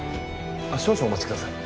少々お待ちください。